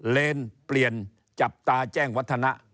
เลนเปลี่ยนจับตาแจ้งวัฒนะ